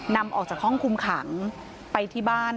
นำออกจากห้องคุมขังไปที่บ้าน